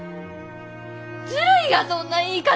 ずるいがそんな言い方！